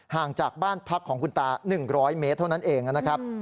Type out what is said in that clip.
ห่างจากบ้านพักของคุณตา๑๐๐เมตรเท่านั้นเองนะครับ